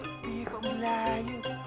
lebih kok melayu